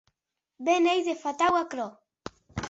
Be n’ei de fatau aquerò!